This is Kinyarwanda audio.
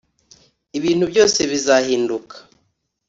ibintu byose bizahinduka